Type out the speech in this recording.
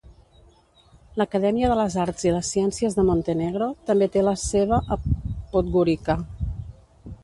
L'Acadèmia de les Arts i les Ciències de Montenegro també té la seva a Podgorica.